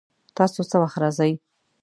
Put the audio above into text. تاسو څه وخت راځئ؟